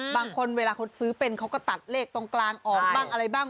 บางคนเวลาคนซื้อเป็นเขาก็ตัดเลขตรงกลางออกบ้างอะไรบ้าง